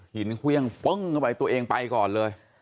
หินเควียงปึ้งไปตัวเองไปก่อนเลย